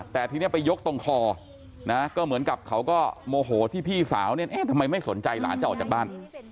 แต่ทีนี้ไปยกตรงคอนะก็เหมือนกับเขาก็โมโหที่พี่สาวเนี่ยทำไมไม่สนใจหลานจะออกจากบ้าน